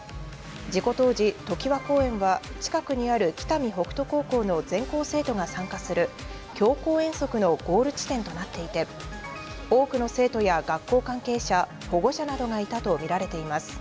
事故当時、常盤公園は、近くにある北見北斗高校の全校生徒が参加する、強行遠足のゴール地点となっていて、多くの生徒や学校関係者、保護者などがいたと見られています。